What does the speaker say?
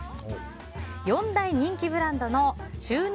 ４大人気ブランドの収納